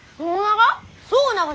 そうなが！？